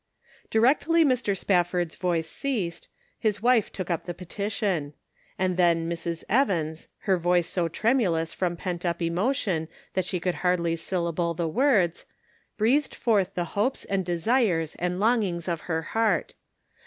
Directly Mr. Spafford's voice ceased, his wife took up the petition ; and then Mrs. Evans, her voice so tremulous from pent up emotion that she could hardly syllable the words, breathed forth the hopes and de sires and longings of her heart.